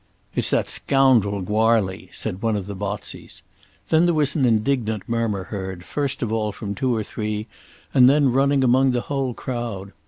"It's that scoundrel, Goarly," said one of the Botseys. Then there was an indignant murmur heard, first of all from two or three and then running among the whole crowd.